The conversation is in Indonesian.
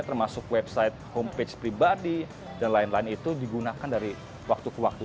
termasuk website homepage pribadi dan lain lain itu digunakan dari waktu ke waktu